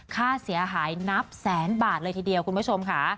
ค่าเสียหายนับแสนบาทเลยทีเดียวคุณผู้ชมค่ะ